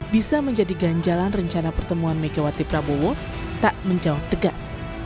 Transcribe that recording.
bisa menjadi ganjalan rencana pertemuan megawati prabowo tak menjawab tegas